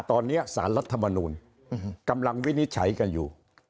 ตอนนี้สารรัฐมนูลกำลังวินิจฉัยกันอยู่